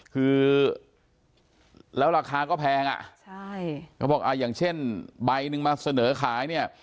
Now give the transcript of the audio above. คือแล้วราคาก็แพงอ่ะใช่เขาบอกอ่าอย่างเช่นใบหนึ่งมาเสนอขายเนี่ย